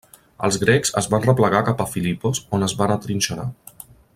Els grecs es van replegar cap a Filipos, on es van atrinxerar.